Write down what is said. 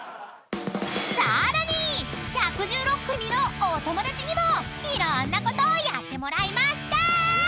［さらに１１６組のお友達にもいろんなことをやってもらいました！］